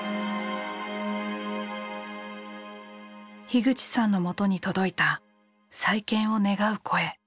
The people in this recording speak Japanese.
口さんのもとに届いた再建を願う声。